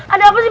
ada apa sih